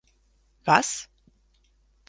Was?